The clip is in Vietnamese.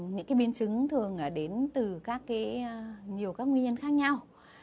những biến chứng thường đến từ các nhiều các nguyên nhân khác nhau